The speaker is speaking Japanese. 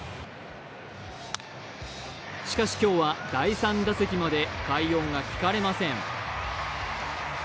しかし今日は第３打席まで快音が聞かれません。